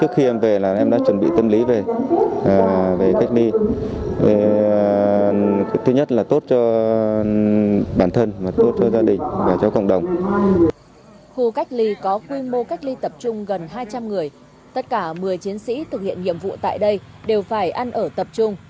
khu cách ly có quy mô cách ly tập trung gần hai trăm linh người tất cả một mươi chiến sĩ thực hiện nhiệm vụ tại đây đều phải ăn ở tập trung